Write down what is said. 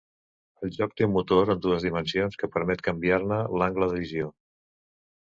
El joc té un motor en dues dimensions que permet canviar-ne l'angle de visió.